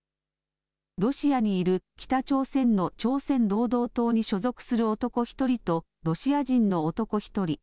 ロシアにいる北朝鮮の朝鮮労働党に所属する男１人とロシア人の男１人。